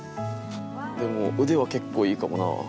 でも腕は結構いいかもな。